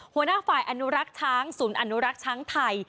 หัวหน้าฝ่ายอนุรักษ์ช้างศูนย์อนุรักษ์ช้างไทย